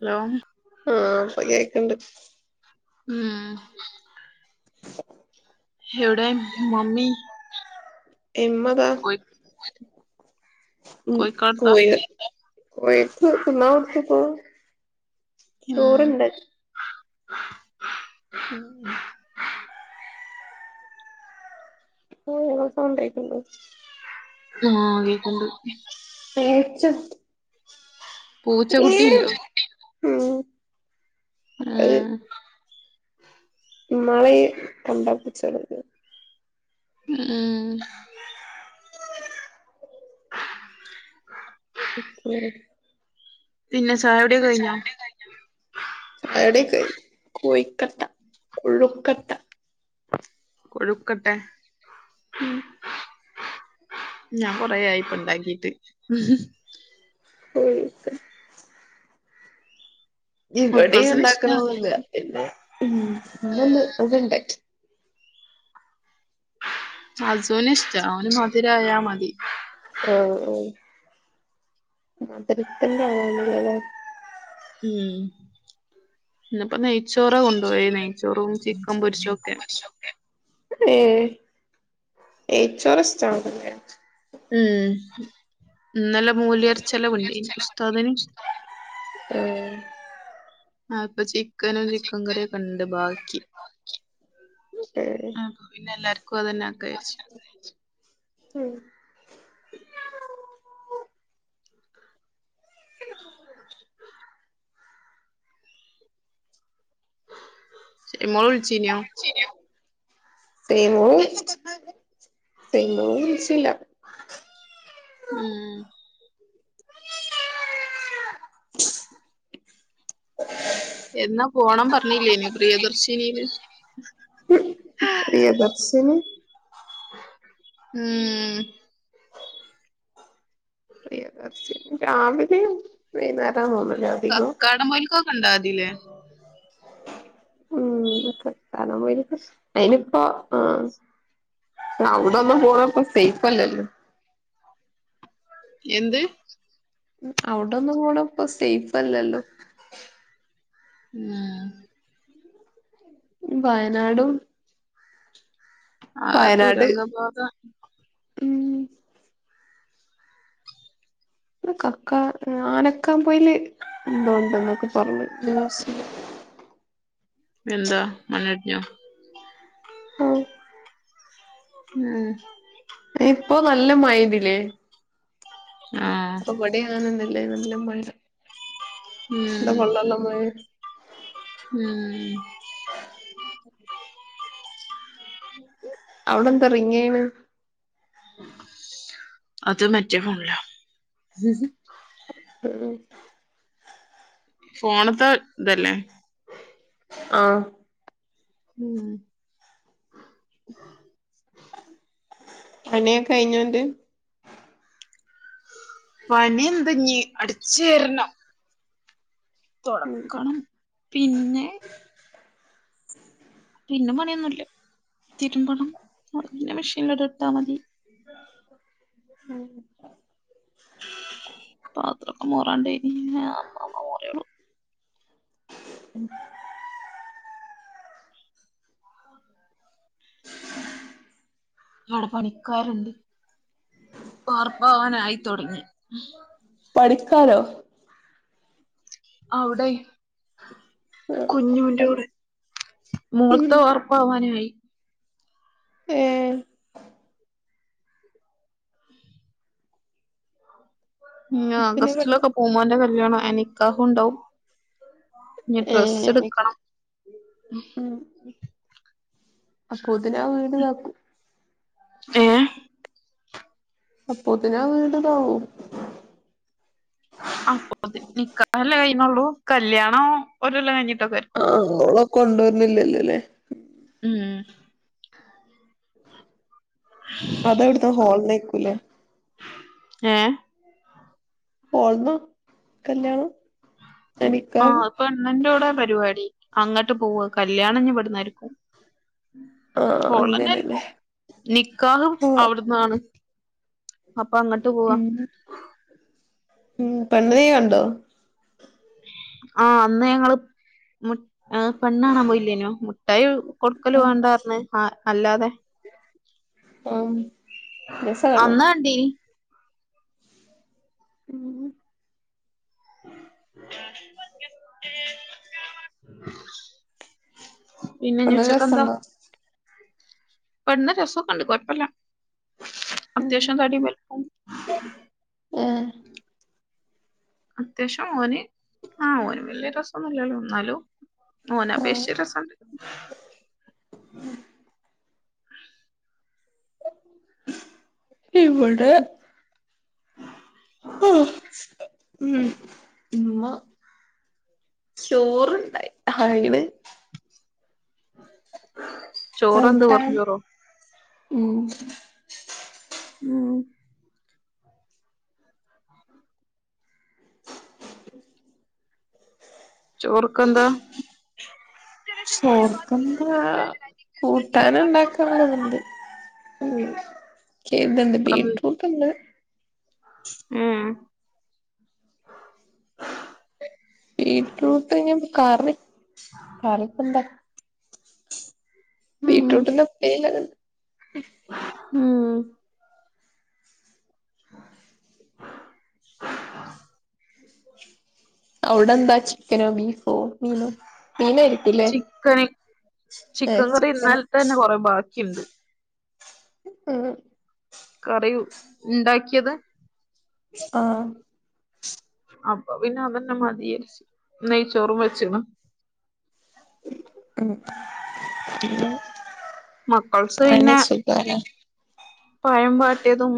Hello ആഹ ഇപ്പൊ കേക്കണ്ട് ഉം എവടെ മമ്മി ഇമ്മതാ കോഴി ഉ കോഴിക്കാടത്താ കോയെ കോയെക്ക് തിന്ന കൊട്ത്പ്പോ ഉം ചോറണ്ട് [unintelligible] ഓ സൗണ്ടേക്ക്ണ്ടൊ ആ കേക്കണ്ട് പേച്ചൊ പൂച്ചക്കുട്ടിണ്ടോ [unintelligible] ആ ഇമ്മാള് കണ്ടാപൂച്ചെ ആ ആ [unintelligible] [unintelligible] പിന്നെ സ് പിന്നെ ചായുടി എന്തായി ചായുടിക്കെയി കൊഴിക്കട്ട കൊഴുക്കട്ട കൊഴുക്കട്ടേ മ് ഞാന് കൊറേയായി ഇപ്പണ്ടാക്കീട്ട് [unintelligible] മക്കൾസിന് ഇഷ്ടാണ് ഇവെടിംണ്ടാക്കലൊന്നുല്ല്യാപിന്നെ ന്ന് ഇന്നൊന്ന് അത് ണ്ടാക്കി അസൂന് ഇഷ്ടാ ഓന് മധുരായാ മതി ആ ആ മധുരത്തിന്റെ [unintelligible] മ് ഇന്ന് പ്പൊ നെയ്ച്ചോറാ കൊണ്ടോയിണെ [inaudible] ഏയ് നെയ്ച്ചോറ് ഇഷ്ട്ടാണ്ല്ലേ മ് ഇന്നെലെ മോല്യേർച്ചെലവുണ്ടേയ്നിം ഉസ്താദിന് ഏ അപ്പൊ ചിക്കനും ചിക്കൻ കറിയൊക്കെണ്ട് ബാക്കി അപ്പൊപിന്നെ എല്ലാർക്കും അതന്നെ ആക്കാരിച്ചു ഹ് [inaudible] ഷൈമോള് വിളിച്ചീനോ ചീയും സെയ്‌മോള് [unintelligible] സെയ്‌മോള് വിളിച്ചീല്ല മ് [inaudible] എന്നാ പോണം പറഞ്ഞില്ലേനോ പ്രിയദർശിനീല് സ്സ്ന് മ് പ്രിയദർശിനി രാവിലിം വൈന്നേരാ തോന്ന്ണ് കക്കാടംപോയില്ക്ക് കണ്ടാതീല്ലേ മ് കക്കാടംപൊയില്ക്ക് അയ്നിപ്പോ ആ അവിടൊന്നും പോണപ്പംസേയ്ഫ് അല്ലല്ലോ എന്ത് അവിടൊന്നും പോണപ്പൊ സേയ്ഫ് അല്ലല്ലോ ആ വയനാടും ആ വയനാട് തുരന്ദഭാഗ ഉം കക്ക നലക്കാപൊയില് ന്തോണ്ട്ന്നൊക്കെ പറഞ്ഞു ന്യൂസില് എന്താ മണ്ണേട്ടിയൊ ആ മ് ഇപ്പൊ നല്ല മയേതില്ലേ ആ വെടെയാനനല്ലേനു നല്ല മഴ എന്താ കൊള്ളെള്ള മഴേ മ് അവിടെന്ത റിങ്ങിയ്ണ് അത് മറ്റേ ഫോണിലാ [unintelligible] മ് ഫോണ്ത്തെ തല്ലേ ആ മ് പണിയൊക്കെഴിഞ്ഞോഅൻ്റേ പണി എന്തഞ്ഞീ അടിചെരണം ഉം തുടക്കണം പിന്നെ പിന്നെ പണിയൊന്നുല്ല തിരുമ്പണം പിന്നെ മെഷീനില ഇടെ ഇട്ടാ മതി [inaudible] ഉം പത്രൊക്കെ മോറണ്ടീനി ഉം അവിടെ പണിക്കാരുണ്ട് വാർപ്പാവാനായിത്തൊടങ്ങി പണിക്കാരോ അവിടെയ് ആഹ് അപ്പണ്ടല്ലേ കുഞ്ഞൂന്റോടെ ഉം മോൾത്തെ പ്പാവനായി ഏഹ് ഉം പിന്നെ പെ ആഗസ്റ്റിലൊക്കെ പൂമോന്റെ ന്റെ കല്യാണം എനിക്കാഹും ഉണ്ടാവും ഇഞ് ഡ്രെസ്സ് ഏഹ് എടുക്കണം ഉം അപ്പൊതിന വീട് നക്കും ഏഹ് അപ്പോതിനാ വീട് ദാവും അപ്പ നിക്കഹാല്ലാം കഴിണൊള്ളൂ കല്യാണം ഒരല്ലാം കഴിഞ്ഞിട്ടക്കെ വും ആഹ് ഓളെ കൊണ്ടോന്നില്ലല്ലോ അല്ലേ ഉം അതവിടന്ന് ഹോൾ ന്നേക്കൂല്ലേ ഏഹ് ഹോൾന്ന കല്യാണം ആ ആഹ് നിക്കാഹ് അപ്പണ്ണന്റോഡ്ന്ന പരിപാടി അങ്ങോട്ട് പോവ കല്യാണഞ്ഞഞ് പെടുന്നായിരിക്കും ആഹ് ഹോള്ളന്നെ അങ്ങനെല്ലേ ആയിരിക്കും നിക്കാഹും ഓഹ് അവിടന്നാണ് അപ്പ അങ്ങോട്ട് പോവാ ഉം ഉം പെണ്ണന കണ്ടോ ആഹ് അന്ന് ഞങ്ങള് പെണ്ണാണാൻ പോയില്ലേനോ മിട്ടായി കൊടുക്കല് ആഹ് വേണ്ടന്ന് പരഞ് ആ അല്ലാതെ ആഹ് അന്നാ കണ്ടീനി ഉം [unintelligible] നല്ല പിന്നെന്ച്ചക്കെന്താ? രസണ്ടോ പെണ്ണ് രസക്കെണ്ട് കൊഴപ്പല്ല അത്യാവശ്യം തടി വലുപ്പും. ഏഹ് അത്യാവശ്യം ഓന് ആഹ് ഓന് വലിയ രസം ഒന്നുല്ലല്ലോ എന്നാലോ ഓന്നെ ആഹ് അപേഷിച്ച് രസണ്ട്. ഇവിടെ [inaudible] ആഹ് ഉം ഉമ്മ ചോറണ്ടായി ആയിണ്. ചോറെന്ത് വെറും ചോറോ [unintelligible] ഉം ഉം ചോർക്കന്താ? സോർക്കന്ത ആ കൂട്ടാന ഉണ്ടാക്കന്നുണ്ട്. [unintelligible] പറഞ്ഞ് ബീട്രൂട്ട് ഉണ്ട് ഉം ബീറ്റ്റൂട്ട് പ്പ കറി കറിപ്പ എന്താ? ഉം ബീറ്ററൂട്ടന്റെ പ്പേരി ഉം [inaudible] അവ്ടെന്താ ചിക്കനോ ബീഫോ മീനോ മീനാരി ചിക്കന് ചിക്കൻ കറി ചിക്കന് ഇന്നൽ തെന്നെ കൊറേ ബാക്കിണ്ട്. ഉ [unintelligible] കറിയു ണ്ടാക്കിയതാ ആ അപ്പൊ പിന്നെ അതന്നെ മതി വിച്ചാരിച്ച് നെയ്ച്ചോറും വെച്ച്ണ്. ഉം പിന്നെ മക്കൾസ് പിന്നെ പയം വിട്ടിയതും.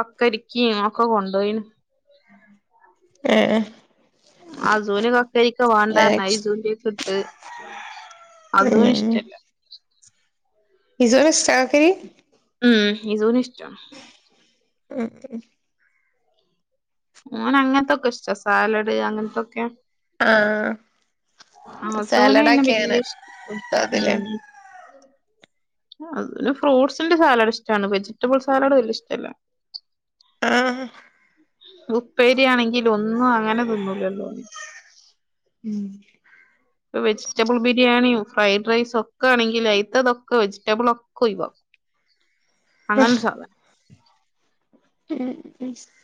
കക്കരിക്കിം ഒക്കെ കൊണ്ടു പോയിണ്. എഏ അസൂന് കക്കരിക്ക വേണ്ടർഞ്ഞു അയ് ഇസൂന്റെക്കിട്ട്. അസൂന് ഇഷ്ടല്ല. ഇസുന് ഇഷ്ട കക്കെരി ഉം ഇസുന് ഇഷ്ട. [inaudible] ഓന്, അങ്ങനത്തൊക്കെ ഇഷ്ട സാലഡ് അങ്ങനത്തൊക്കെ. ആ അസൂന് സാലഡ് പിന്നെ ആക്കിനെ വല്യ ഇഷ് കെടുതിലെ. [unintelligible] അ ഫ്രൂട്ട്സിന്റെ സാലാഡ് ഇഷ്ടാണ് വെജിറ്റബിൾ സാലാഡ് വല്യ ഇഷ്ടല്ല. ആ ഉപ്പേരിയാണെങ്കിൽ ഒന്നും അങ്ങനെ തിന്നൂല ലോ. ഉം [inaudible] ഇപ്പ വെജിറ്റബിൾ ബിരിയാണിയും ഫ്രൈഡ് റൈസും ഒക്കെ ആണെങ്കിൽ അയിത്തതൊക്കെ വെജിറ്റബിൾ ഒക്കെ ഒയിവാക്കും. അങ്ങനരു സാധന ഉം ഉം [unintelligible]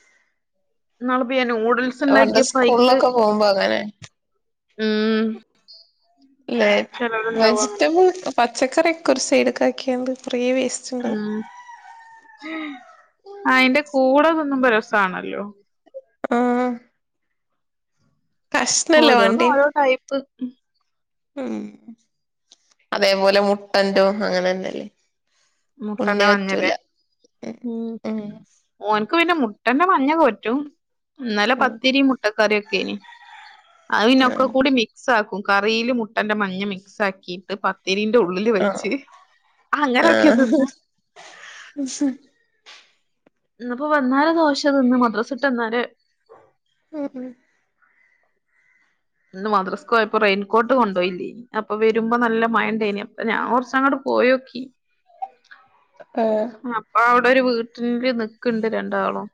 ഇന്നാള്പ്പ ഞ ന്യൂഡിൽ പണ്ട് സ്കൂളിലൊക്കെ പോകുമ്പോ അങ്ങനെ. ഉം ല്ലേ ചെലവരുണ്ടാവും അങ്ങനെ വെജിറ്റബിൾ പച്ചക്കറിയൊക്കെ ഒരു സൈഡ്ക്കാക്കിയ കുറേ വേസ് ഉം ഹ് അയിന്റെ കൂടെ തിന്നുമ്പ രസാണലോ. ആ കഷ്ണല്ലേ ഓരോന് വാണ്ടേ ഓരോ ടൈപ്പ് ഉം അതേപോലെ മുട്ടന്റോ അങ്ങനെ ന്നല്ലേ? മുട്ടന്റെ മഞ്ഞല്ലേ ഉണ്ണിവറ്റൂല ഉം [unintelligible] ഓൻക്ക് പിന്നെ മുട്ടന്റെ മഞ്ഞപറ്റും ഇന്നലെ ഉം പത്തിരി മുട്ടക്കറിഒക്കെന് അയ്നൊക്കെ കൂടി മിക്സ്ആക്കും കറീല് മുട്ടന്റെ മഞ്ഞ് മിക്സ് ആക്കിട്ട് പ പത്തീരീന്റെ ഉള്ളില് ആ ആ വച്ച് ആ അങ്ങനെ ഉ [inaudible] ഇന്ന്പ്പാ വന്നാല് ദോശ തിന്ന് മദ്രാസ ഇട്ട് വന്നാല് [unintelligible] ഇന്ന് മദ്രസ്കോയപ്പോ റെയിൻകോട്ട് കൊണ്ടോയില്യേ അപ്പൊ വെരുമ്പോനല്ല മയണ്ടെയ്നി അപ്പ ഞാൻ കൊറച്ചങ്ങട് പോയോക്കി ആഹ [inaudible] [unintelligible] അപ്പൊ അഔടൊരു വീട്ടില് ന്ക്ക്ണ്ട് രണ്ടാളും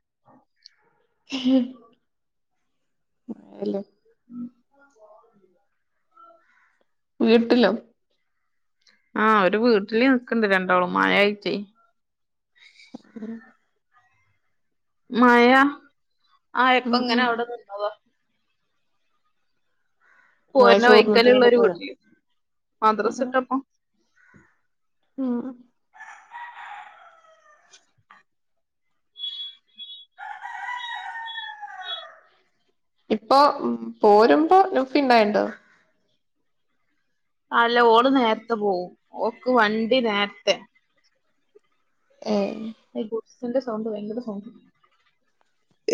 ആല്ല [unintelligible] [unintelligible] വീട്ടിലൊ ആ ഒര് വീട്ടില്നിക്കണ്ട് രണ്ടാളും മയായ്റ്റെ ഉ ഉം [inaudible] മയ ഉം ഉം ആയപ്പങ്ങനഅവടെനിന്നത മഴ പോര്ണ ചോർന്നിട്ട് വൈക്കല്ള്ളഒരു കിടക്കുവാ വീട്ടില് മദ്രസ്ഇട്ടപ്പം ഉം ഉം ഇപ്പൊപോരുമ്പോനുഫിണ്ടായ്ണ്ട് ആല്ലഓള്നേര്ത്തെ പോവുംഓക്ക് വണ്ടിനേർത്തെ ഏ അഹ് ഗുഡ്സിന്റെ സൗണ്ട് ഭയങ്കരസൗണ്ട്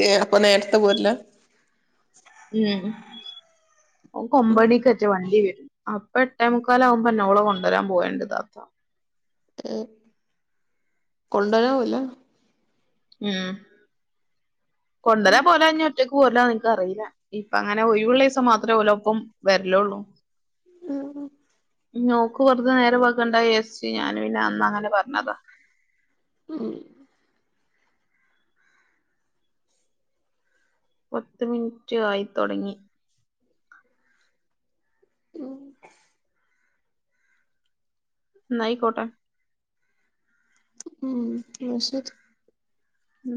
ഏ അപ്പനേര്ത്തെപോര്ല്ല മം ഉം ഓക്കൊമ്പണിക്കേറ്റേവണ്ടിവെരും അപ്പ എട്ടേ മുക്കാലാവുമ്പന്നെ ഓളെ കൊണ്ടരാൻ പോഅല്ണ്ട് താത്ത ഏ കൊണ്ടരാവല്ലേ ഉം ഉം കൊണ്ടരാപോലാഞ്ഞ ഒറ്റക്ക് പോര്ല്ലാനിക്ക് അറീല്ല ഇപ്പ അങ്ങനെ ഒയ്‌വ്ള്ളഈസം മാത്രേ ഓലപ്പം വെര്ലൊള്ളൂ ഉം ഞ്ഞോക്ക് വെറുതെ നേരം വെകണ്ടാ യിയാര്ച് ഞാൻപിന്നെ അങ്ങനെ പറഞ്ഞതാ ഉം പത്ത്മിൻറ്റ് ആയിത്തൊടങ്ങി ഉം ന്നാ അയ്കോട്ടെ ഉം ന്നാ ശെരി ഉം